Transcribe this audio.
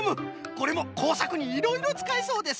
これもこうさくにいろいろつかえそうです。